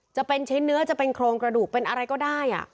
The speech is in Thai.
จะเป็นชิ้นเนื้อจะเป็นโครงกระดูกเป็นอะไรก็ได้